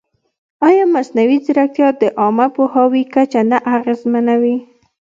ایا مصنوعي ځیرکتیا د عامه پوهاوي کچه نه اغېزمنوي؟